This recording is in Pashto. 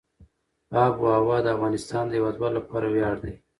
آب وهوا د افغانستان د هیوادوالو لپاره ویاړ دی.